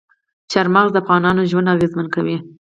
چار مغز د افغانانو ژوند اغېزمن کوي.